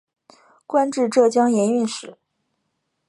官至浙江盐运使。